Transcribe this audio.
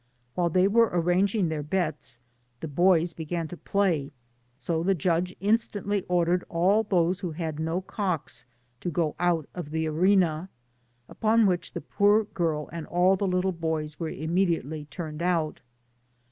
While they were arrah^g their bets, the boys began to play, so the judge instantly or dered all those who had no cocks to go out of the arena; upon which the poor ^1 and all the little bojTS were immediately turned out.